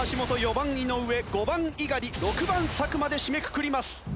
番井上５番猪狩６番作間で締めくくります。